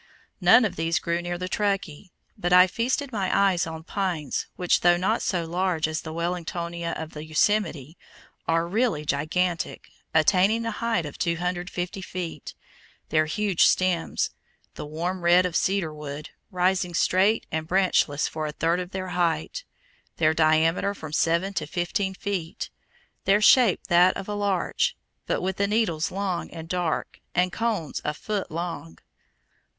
None of these grew near the Truckee, but I feasted my eyes on pines which, though not so large as the Wellingtonia of the Yosemite, are really gigantic, attaining a height of 250 feet, their huge stems, the warm red of cedar wood, rising straight and branchless for a third of their height, their diameter from seven to fifteen feet, their shape that of a larch, but with the needles long and dark, and cones a foot long.